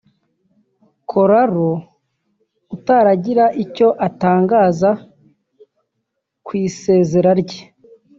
Corallo utaragira icyo atangaza ku isezera rye